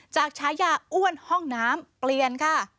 ฉายาอ้วนห้องน้ำเปลี่ยนค่ะ